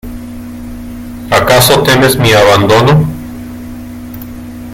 ¿ acaso temes mi abandono?